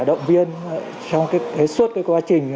động viên trong cái suốt cái quá trình